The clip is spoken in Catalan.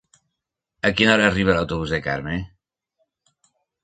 A quina hora arriba l'autobús de Carme?